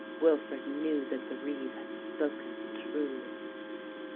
Wilfred knew that the reeve had spoken truly.